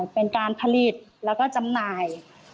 เป็นการผลิตแล้วก็จำหน่าย